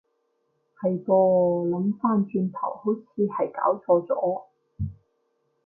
係噃，諗返轉頭好似係攪錯咗